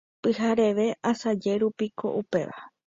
Pyhareve asaje rupi oiko upéva.